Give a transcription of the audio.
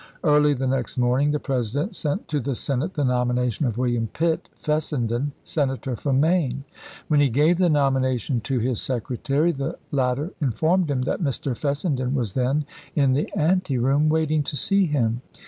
Early the next morn ing the President sent to the Senate the nomination of William Pitt Fessenden, Senator from Maine. When he gave the nomination to his secretary, the latter informed him that Mr. Fessenden was then in the ante room waiting to see him.